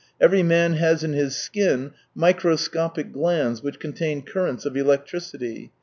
" Every man has in his skin microscopic glands which contain currents of electricity.